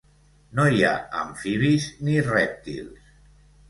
No hi ha amfibis ni rèptils.